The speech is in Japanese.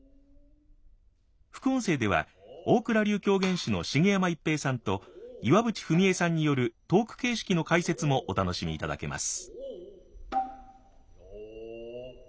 副音声では大蔵流狂言師の茂山逸平さんと岩渕文恵さんによるトーク形式の解説もお楽しみいただけます。